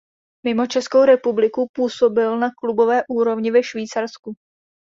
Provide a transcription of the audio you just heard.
Mimo Českou republiku působil na klubové úrovni ve Švýcarsku.